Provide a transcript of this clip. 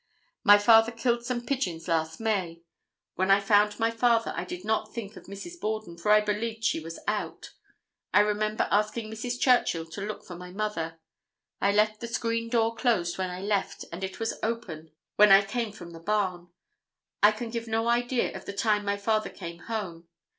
My father killed some pigeons last May. When I found my father I did not think of Mrs. Borden, for I believed she was out. I remember asking Mrs. Churchill to look for my mother. I left the screen door closed when I left, and it was open when I came from the barn. I can give no idea of the time my father came home.